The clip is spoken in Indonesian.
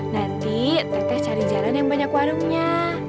nanti teteh cari jalan yang banyak warungnya